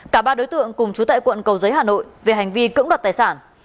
cả ba đối tượng cùng chú tại quận cầu giấy hà nội về hành vi cưỡng đoạt tài sản